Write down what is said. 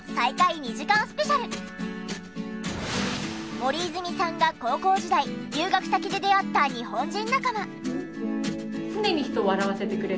森泉さんが高校時代留学先で出会った日本人仲間。